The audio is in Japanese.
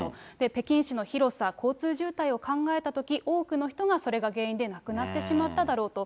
北京市の広さ、交通渋滞を考えたとき、多くの人がそれが原因で亡くなってしまっただろうと。